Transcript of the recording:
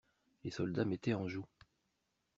Les soldats mettaient en joue.